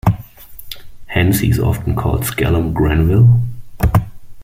Hence he is often called skellum Grenville.